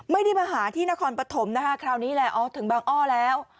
ไม่ได้มาหาที่นครปฐมนะคะคราวนี้แหละอ๋อถึงบางอ้อแล้ว